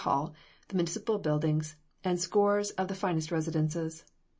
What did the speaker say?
Hall, the Municipal buildings, and scores of the finest residences.